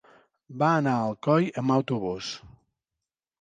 Va anar a Alcoi amb autobús.